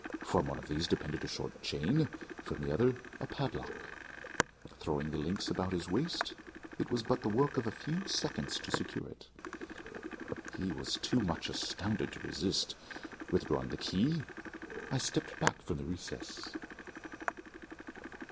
From one of these depended a short chain, from the other a padlock. Throwing the links about his waist, it was but the work of a few seconds to secure it. He was too much astounded to resist. Withdrawing the key I stepped back from the recess.